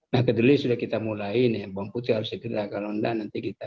nah kedelaidara sudah kita mulai bawang putih harus kita agak rendah nanti kita